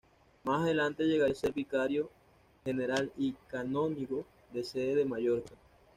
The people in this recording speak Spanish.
Más adelante llegaría a ser vicario general y canónigo de la Sede de Mallorca.